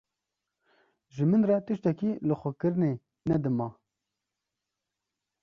Ji min re tiştekî lixwekirinê ne dima.